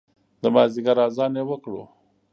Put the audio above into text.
د مازدیګر اذان یې وکړو